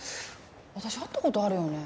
私会った事あるよね？